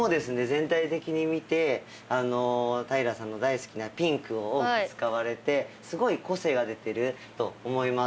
全体的に見て平さんの大好きなピンクを多く使われてすごい個性が出てると思います。